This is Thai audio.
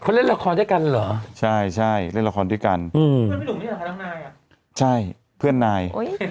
เขาเล่นละครด้วยกันเหรอใช่ใช่เล่นละครด้วยกันอืมใช่เพื่อนนาย